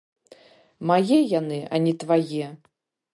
Мае яны, а не твае!